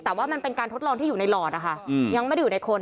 แต่ว่ามันเป็นการทดลองที่อยู่ในหลอดนะคะยังไม่ได้อยู่ในคน